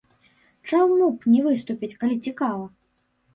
Чаму б не выступіць, калі цікава?